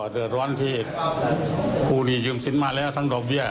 เดือดร้อนที่กู้หนี้ยืมสินมาแล้วทั้งดอกเบี้ย